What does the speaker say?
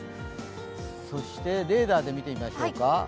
そしてレーダーで見てみましょうか。